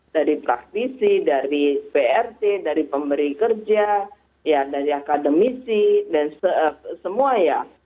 dari praktisi dari prt dari pemberi kerja dari akademisi dan semua ya